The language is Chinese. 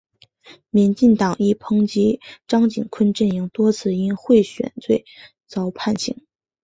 民进党亦抨击张锦昆阵营多次因贿选罪遭判刑。